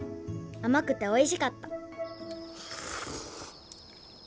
あまくておいしかった」。